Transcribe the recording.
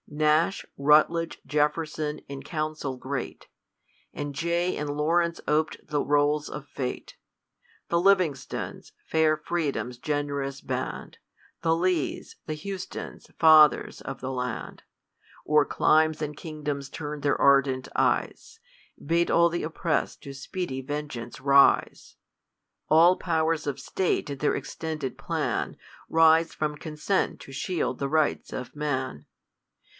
Nash, Rutledge, Je^erson, in council great, And Jay and Laurens op'd the rolls of fate. The Livingstons, fair freedom's gen'rous band, The Lees, the Houstons, fathers of the land, O'er climes and kingdoms turn'd their ardent eyes, Bade all th' oppress'd to speedy vengeance rise ; All powers of state, in their extended plan. Rise from consent to shield the rights of man.